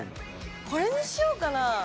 これにしようかな。